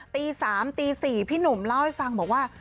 ตี๓ตี๔พี่หนุ่มเล่าให้ฟังบอกว่า